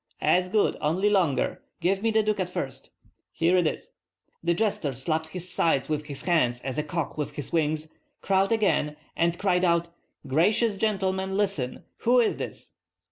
"As good, only longer. Give me the ducat first." "Here it is!" The jester slapped his sides with his hands, as a cock with his wings, crowed again, and cried out, "Gracious gentlemen, listen! Who is this?"